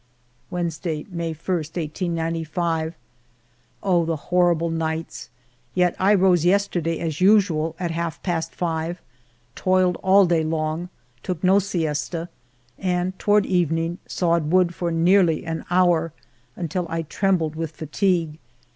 Wednesday^ May i, 1895. Oh, the horrible nights ! Yet I rose yester day as usual, at half past five, toiled all day long, took no siesta, and toward evening sawed wood for nearly an hour, until I trembled with fatigue.